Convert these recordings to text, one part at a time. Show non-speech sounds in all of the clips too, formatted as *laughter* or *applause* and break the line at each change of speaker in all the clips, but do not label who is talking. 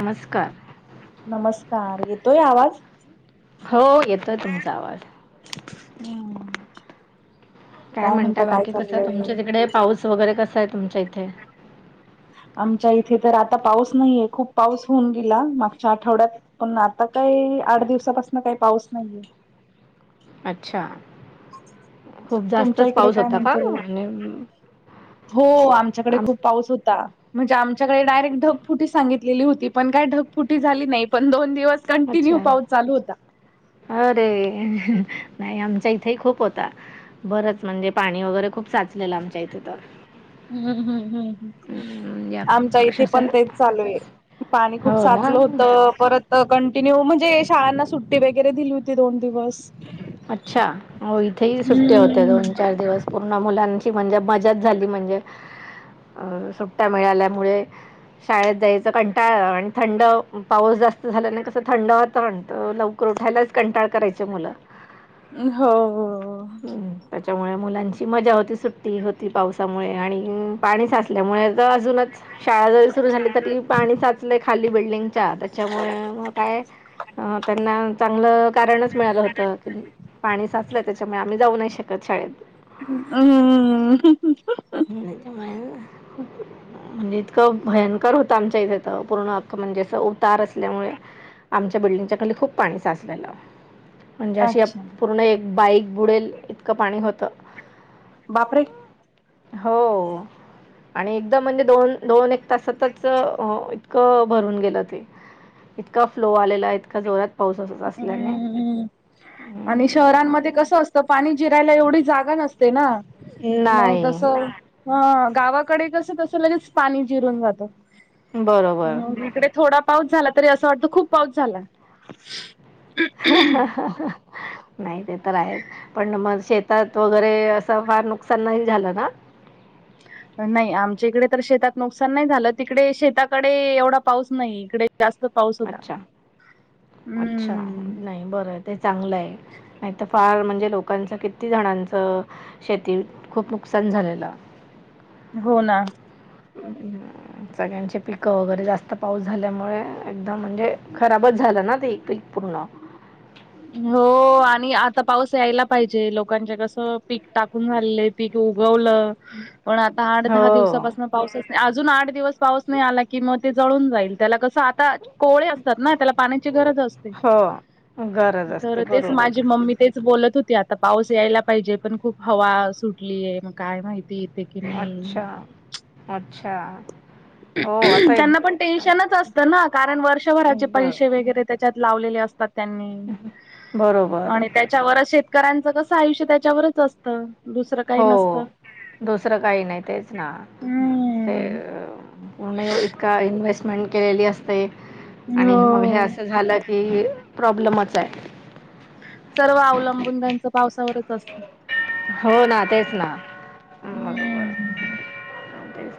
नमस्कार
नमस्कार येतोय आवाज
हो येतोय तुमचा आवाज
हम्
काय म्हणताय, बाकी कसं
चाललंय
तुमच्या तिकडे पाऊस वगैरे कसा आहे तुमच्या इथे -
आमच्या इथे तर आता पाऊस नाहीये खूप पाऊस होऊन गेला मागच्या आठवड्यात पण आता काही आठ दिवसापासून काही पाऊस नाहीये.
अच्छा, खूप
तुमच्या
जास्तच
इकडे
पाऊस
काय
होता का?
म्हणतो
आणि
हो आमच्याकडे
आम
खूप पाऊस होता. म्हणजे आमच्याकडे डायरेक्ट ढगफुटी सांगितलेली होती, पण काय ढगफुटी झाली नाही, पण दोन दिवस कंटिन्यू
अच्छा
पाऊस चालू होता.
अरे! नाही, आमच्या इथेही खूप होता. बरंच म्हणजे पाणी वगैरे खूप साचलेलं आमच्या इथे तर
हम्म हम्म हम्म हम्
हम्म, या
आमच्या इथे पण
अक्षरशः
तेच चालू आहे. पाणी खूप
हो ना
साचलं होत परत हो कंटिन्यू म्हणजे शाळांना सुट्टी वगैरे दिली होती दोन दिवस
अच्छा, हो इथेही सुट्ट्या होत्या
हम्म.
दोन, चार दिवस पूर्ण मुलांची म्हणजे मजाच झाली म्हणजे अ सुट्ट्या मिळाल्यामुळे शाळेत जायचं कंटाळ आणि थंड पाऊस जास्त झाल्याने कसं थंड वातावरण तर लवकर उठायलाच कंटाळ करायचे मुलं
हो हो
हम्म त्याच्यामुळे मुलांची मजा होती. सुट्टी होती पावसामुळे आणि पाणी साचत त्यामुळे बाजूलाच शाळा जरी सुरू झाली तरी पाणी साचलंय खाली बिल्डिंगच्या त्याच्यामुळे मग काय अ त्यांना चांगलं कारणच मिळालं होतं, की पाणी साचलं त्या आम्ही जाऊ नाही शकत शाळेत
हम हम
*unintelligible* म्हणजे इतकं भयंकर होतं आमच्या इथे तर पूर्ण अख्ख म्हणजे असं उतार असल्यामुळे आमच्या बिल्डिंगच्या खाली खूप पाणी साचलेलं. म्हणजे अशी
अच्छा
पूर्ण एक बाईक बुडेल इतकं पाणी होत.
बापरे!
हो आणि एकदाम म्हणजे दोन दोन, एक तासातच इतकं भरून गेलं ते इतका फ्लो आलेला आहे इतका जोरात पाऊस असत असल्याने
हम्म् आणि
हम्म,
शहरांमध्ये
आणि
कसं असत. तर पाणी जिरायला एवढी जागा नसते ना तर मग
नाही
तसं हा गावाकडे कस तस लगेच पाणी जिरून जातं.
बरोबर
हा इकडे थोडा पाऊस झाला तरी असं वाटत खूप पाऊस झाला.
ह ह ह नाही ते तर आहेच, पण मग शेतात वगैरे असं फार नुकसान नाही झालं ना
नाही आमच्या इकडे तर शेतात नुकसान नाही झालं, तिकडे शेताकडे एवढा पाऊस नाही इकडे जास्त पाऊस होता.
अच्छा अच्छा.
हम्म
नाही बर आहे. ते चांगलं आहे. नाही तर फार म्हणजे लोकांच किती जणांचं शेतीत खूप नुकसान झालेलं.
हो ना!
अ ह *unintelligible* सगळ्यांचे पीक वगैरे जास्त पाऊस झाल्यामुळे एकदम म्हणजे खराबच झाला ना ते पीक पूर्ण
हो आणि आता पाऊस यायला पाहिजे, लोकांचे कस पीक टाकून झालं. पिक उगवलं. पण आता आठ, दहा
हो,
दिवसापासून पाऊसच अजून आठ दिवस पाऊस नाही आला कि मग ते जळून जाईल, त्याला कसं आता कोळे असतात ना. त्याला पाण्याची गरज असते.
हो. गरज असते
तर तेच,
बरोबर.
माझी मम्मी तेच बोलत होती. आता पाऊस यायला पाहिजेऋ पण खूप हवा सुटलीये. मग काय माहित.
अच्छा, अच्छा. हो असं एक
त्यांना पण टेन्शनच असत ना. कारण वर्षभराचे
बरं.
पैसे वगैरे त्याच्यात लावलेले असता. तात त्यांनी.
बरोबर.
आणि त्याच्यावरच शेतकऱ्यांच कस, आयुष्य त्याच्यावरच असत.
हो, दुसरं काही नाही. तेच ना. ते
हम्म
नही ओ. इतका इन्व्हेस्टमेंट केलेली असते. आणि मग हे
हो.
असं झालं हेही प्रॉब्लेमच आहे.
सर्व अवलंबून त्यांचं, पावसावरच असतं.
हो ना. तेच ना.
हम्म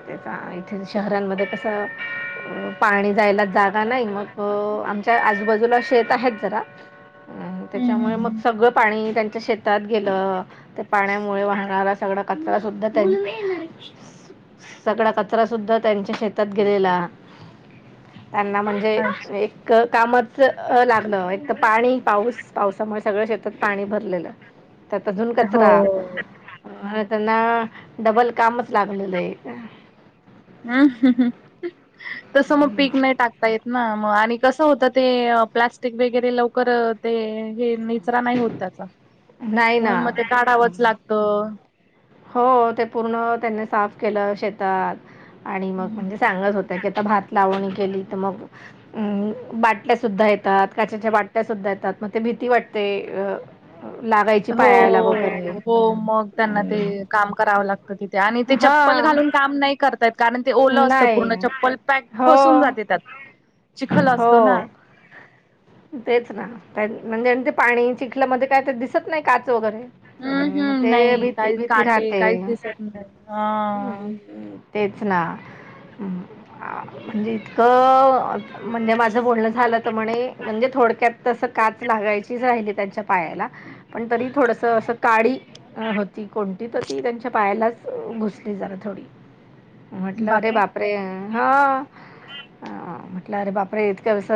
त्याचा, इथे शहरांमध्ये कसं, पाणी जायला जागा नाही, मग आमच्या आजूबाजूला शेत आहेत जरा हम्म. त्याच्यामुळे मग सगळं पाणी त्यांच्या शेतात गेलं. ते पाण्यामुळे वाहणारला सगळा कचरा सुद्धा त्यां सगळा कचरा सुद्धा, त्यांच्या शेतात गेलेला. त्यांना म्हण
अच्छा
म्हे एक *unintelligible* कामच लागलं. एक त पाणी पाऊस. पाउसामुळे सगळं शेतात पाणी भरलेलं. त्यात जूल
हो.
अ त्यांना, डबल कामच लागलेलंय.
अम्म. तस मग पीक नाही टाकता येत. ना मग, आणि कसं होतं. ते प्लस्टिक वगैरे लवकर ते, हे निचरा नाही होत. त्याचा.
नाही ना
म्हणून मग ते काढावंच लागत.
हो ते पूर्ण त्यांनी साफ केलं शेतात. आणि मग, म्हणजे
हम्म.
सांगत होत्या की, आता भात लावणी केली त. मग अ बाटल्या सुद्धा ये तात. काचेच्या बाटल्या सुद्धा येतात. मग ते भीती वाटते लागायची.
हो,
पायाला वगैरे
हो मग. त्यांना ते काम करावं लागतं तिथे. आणि ते चप्पल
हां
घालून काम नाही करत ता येत. कारण ते ओलं असतं.
नाही
पूर्ण चप्पल पॅक फसून
हो
जाते त्यात. चिखल असतो ना.
हो, तेच ना. म्हणजे ते पाणी चिखल्यामध्ये काय तर दिसत नाही. काच वगैरे. हम्म, म ते
नाही
भीती
काही
भीती
काटे
राहते.
काहीच दिसत नाही हा
तेच ना. म्हणजे इतकं म्हणजे माझं बोलणं झालं त. म्हणे म्हणजे थोडक्यात तस काच लागायचीच राहिली त्यांच्या पायाला. पण तरी थोडस असं काडी अ होती कोणती होती. त्यांच्या पायालाच घुसली जरा थोडी. म्हटलं अरे बापरे, हा. म्हटलं अरे बापरे, इतकंस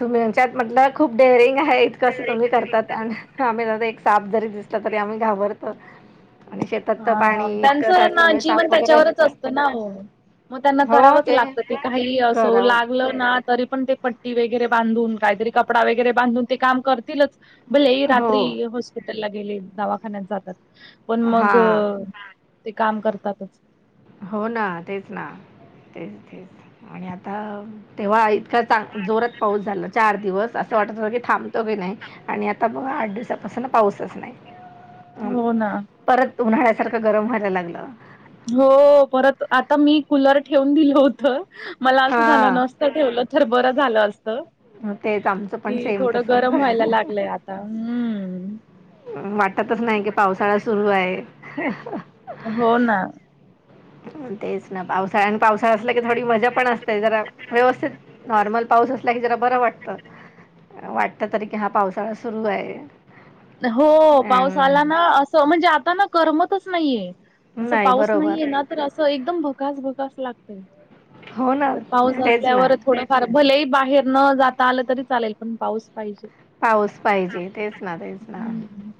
तुम्हीच्यात म्हटलं खूप डेअरिंग आहे. इतकं असं तुम्ही करतात. आणि आम्ही एक साप जरी दिसला तरी आम्ही घाबरत त.
हा. त्यांचं ना जीवन
साप वगैरे
त्याच्यावरच असतं ना ओ. मग त्यांना करावंच लागत ते. काही असो,
करावं.
लागलं ना, तरी पण ते पट्टी वगैरे बांधून, काहीतरी कपडा वगैरे बांधून, ते काम करतीलच. भले
हो.
रात्री हॉस्पिटलला गेले. दवाखान्यात जातात. पण मग
हां.
ते काम करतातच.
हो ना. तेच ना. तेच तेच आणि आता. तेव्हा इतका चांग जोरात पाऊस झाला. चार दिवस. असं वाटत होत की, थांबतो की नाही. आणि आता बघा. आठ दिवसापासून पाऊसच नाही. अं,
हो ना.
परत, उन्हाळ्यासारखं गरम व्हायला लागलं.
हो परत आता मी कुलर ठेवून दिलं होत मला असं झालं
हा
नस त ठेवलं तर बरं झालं असत.
तेच आमचं पण
की
सेम
थोडं
तसच
गरम व्हायला लागलय आता हम्म
वाटतच नाही की पावसाळा सुरु आहे.
हो ना
तेच ना पावसाळा आणि पावसाळा असला की थोडी मजा पण असते जरा व्यवस्थित नॉर्मल पाऊस असला की जरा बर वाटत. वाटत तरी की हा पावसाळा सुरु आहे.
हो
अ
पाऊस आला ना असं म्हणजे आता ना करमतच नाहीये. असं
नाही
पाऊस
बरोबर
नाहीये ना तर असं एकदम भकास भकास लागतय.
हो ना
तर पाऊस
तेच ना
असल्यावर थोड फार भ लही बाहेर न जाता आलं तरी चालेल पण पाऊस पाहिजेचं.
पाऊस पाहिजे तेच ना तेच ना
हम्म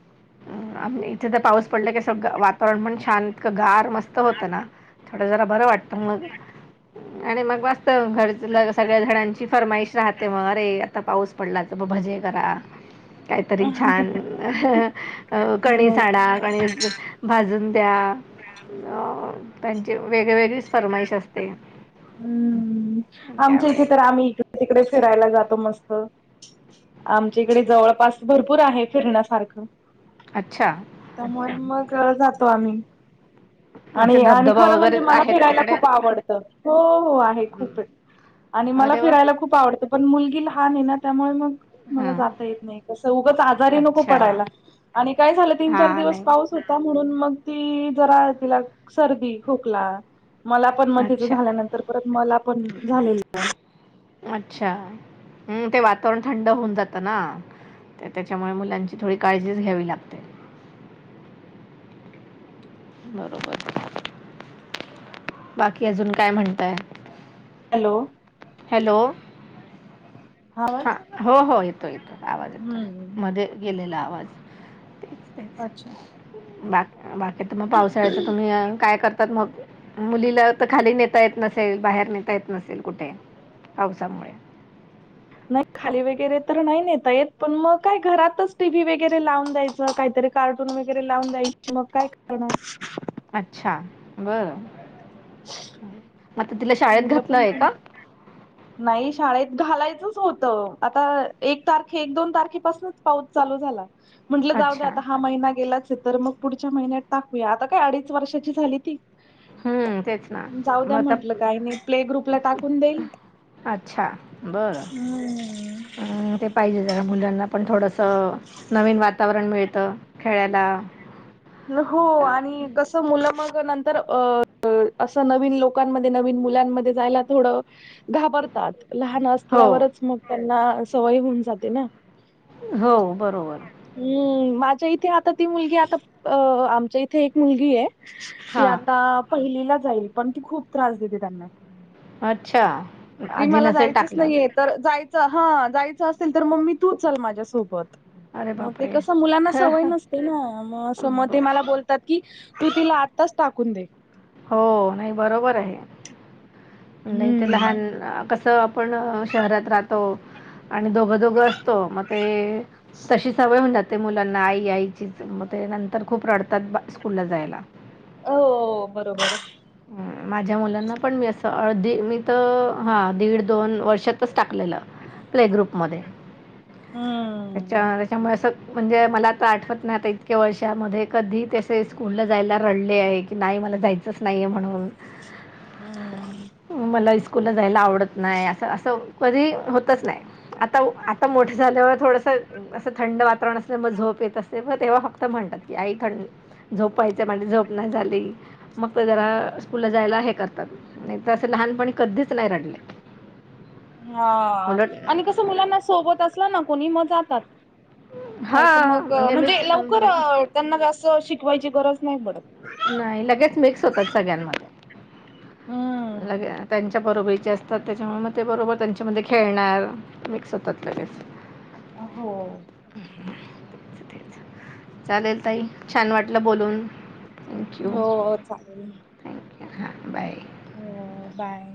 म आम्ही इथे तर पाऊस पडला की सगळं वातावरण पण छान इतकं गार मस्त होतं ना थोडा जरा बरं वाटतं मग
*inaudible*
आणि मग मस्त घर सगळ्या घरांची फरमाईश राहते मग अरे आता पाऊस पडला तर म भजे करा कायतरी छान अ
हो
कणीस आणा कणीस भाजून द्या त्यांचे वेगवेग
सगळं *unintelligible* हम्म आमच्या इथे
त्यावेळे
तर आम्ही तिकडे फिरायला जातो मस्त आमच्याइकडे जवळपास भरपूर आहे फिरण्यासारखं.
अच्छा
त्यामुळे मग जातो आम्ही
असे
आणि आणि
धबधबा
खरं म्हणजे
वगैरे
मला
आहेत
फिरायला
तिकडे
खूप आवडतं हो हो हो आहे
हम्म.
खूप येत. आणि मला
अरे वा
फिरायला खूप आवडत पण मुलगी लहान ये ना त्यामुळे मग मला
हां
जाता येत नाही कसं उगंच आजारी नको
अच्छा
पडायला आणि काय झालं तीन चार
हां
दिवस
नाही
पाऊस होता म्हणून मग ती जरा तिला सर्दी, खोकला मला पण म तिचं
अच्छा
झाल्यानंतर परत मला पण झालेलं.
अच्छा हूं ते वातावरण थंड होऊन जातं ना ते त्याच्यामुळे मुलांची थोडी काळजीच घ्यावी लागते. बरोबर, बाकी अजून काय म्हणताय?
हॅलो
हॅलो हा, हो हो येतोय येतो ना आवाज. येतोय.
हम्म
मध्ये गेलेला आवाज. तेच ते
अच्छा
बा बाकी त मग पावसाळ्याच तुम्ही काय कर तात मग मुलीला त खाली नेता येत नसेल, बाहेर नेता येत नसेल कुठे पावसामुळे
नाही खाली वगैरे तर नाही नेता येत. पण म काय घरातच टी व्ही वगैरे लावून द्यायचं. काहीतरी कार्टून वगैरे लावून द्यायची मग काय करणार.
अच्छा, बरं
*unintelligible*
आता तिला श
मुलं पण कोणं नाही शाळेत घालायचंच होतं, आता एक तारखे, एक दोन तारखेपासनच पाऊस चालू झाला. म्हंटलं जाऊ दे,
अच्छा.
आता हा महिना गेलाच ये तर मग पुढच्या महिन्यात टाकूया आता काय अडीच वर्षाची झाली ती.
हम्म तेच ना मग आता.
आणि प्ले ग्रुपला टाकून देईन.
अच्छा, बरं.
हम
अं, ते पाहिजे जरा मुलांना पण थोडसं नवीन वातावरण मिळतं खेळायला.
हो
चा
आणि कसं मुलं मग नंतर अ- असं नवीन लोकांमध्ये नवीन मुलांमध्ये जायला थोड- घाबरतात, लहान
हो,
असल्यावरच मग त्यांना सवय होऊन जाते ना.
हो बरोबर.
हम्म, माझ्या इथे आता ती मुलगी आता अ आमच्या इथे एक मुलगी आहे. ती
हां,
आता पहिलीला जाईल, पण ती खूप त्रास देते त्यांना.
अच्छा,
की
आधी
मला
नसेल
जायचंच
टाकलं.
नाहीये तर जायचं, हा, जायचं असेल तर मम्मी तू चल माझ्यासोबत-
अरे
मग ते
बापरे!
कसं मुलांना सवय नसते ना मग- मग
ब
ते मला बोलतात की तू तिला आत्ताच टाकून दे.
हो नाही बरोबर आहे. नाही ते
हम्म
लहान कसं- पण शहरात राहतो, आणि दोघं -दोघं असतो. मग ते- तशी सवय होऊन जाते मुलांना आई आईचीच, मग ते नंतर खूप रडतात स्कूलला जायला.
अ, हो बरोबर.
माझ्या मुलांना पण मी असं, अधी मी तर हा दीड दोन वर्षातच टाकलेलं. प्ले ग्रुप म त्याच्या
हम्म
त्याच्यामुळे म्हणजे मला तर आठवत नाही आता इतक्या वर्षामध्ये कधी तसे स्कूलला जायला रडले आहे की नाही मला जायचंच नाहीये म्हणून
हम्म
मला स्कूलला जायला आवडत नाही असं असं कधी होतच नाही आता उ, आता मोठं झाल्यावर थोडसं - असं थंड वातावरण असल्यामूळ झोप येत असते बघ तेव्हा फक्त म्हणतात, की आई थंड- झोपायचय, माझी झोप नाही झाली. मग ते जरा स्कूलला जायला हे करतात नाही तर असं लहानपणी कधीच नाही रडले.
हा,
उलट
आणि कसं मुलांना सोबत असल ना कोणी मग जातात. नाही तर
हां
मग, म्हणजे
मिक्स
लवकर त्यांना जास्त शिकवायची गरज नाही पडत.
नाही लगेच मिक्स होतात सगळ्यांमध्ये.
हम्म
लगे- त्यांच्या बरोबरीचे असतात त्याच्यामुळे मग ते बरोबर त्यांच्यामध्ये खेळणार मिक्स होतात लगेच.
अ हो
ते ते चालेल ताई छान वाटलं बोलून. थँक्यू
हो हो, चालेल.
थँक्यू हां बाय
हो बाय